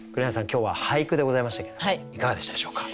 今日は俳句でございましたけどいかがでしたでしょうか？